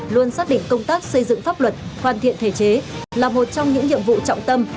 luôn xác định công tác xây dựng pháp luật hoàn thiện thể chế là một trong những nhiệm vụ trọng tâm